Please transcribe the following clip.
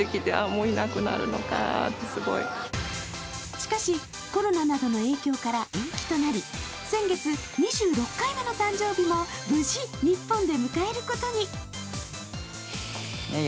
しかし、コロナなどの影響から延期となり先月、２６回目の誕生日も無事、日本で迎えることに。